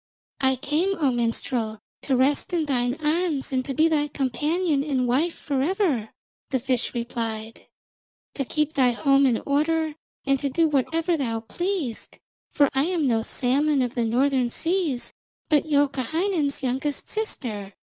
'I came, O minstrel, to rest in thine arms and to be thy companion and wife for ever,' the fish replied; 'to keep thy home in order and to do whatever thou pleased. For I am not a fish; I am no salmon of the Northern Seas, but Youkahainen's youngest sister.